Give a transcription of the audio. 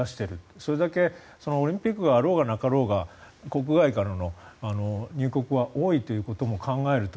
それだけオリンピックがあろうがなかろうが国外からの入国は多いということも考えると